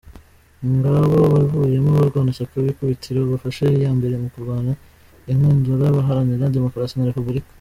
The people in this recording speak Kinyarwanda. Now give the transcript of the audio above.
Ngabo abavuyemo abarwanashyaka b’ikubitiro bafashe iyambere mu kurwana inkundura baharanira Demokarasi na Repubulika.